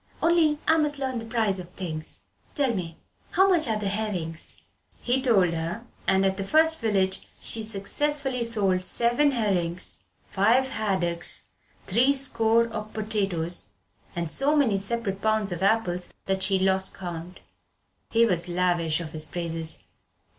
"Only I must learn the prices of things. Tell me. How much are the herrings?" He told her and at the first village she successfully sold seven herrings, five haddocks, three score of potatoes, and so many separate pounds of apples that she lost count. He was lavish of his praises.